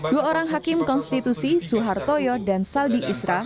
dua orang hakim konstitusi suhar toyo dan saldi isra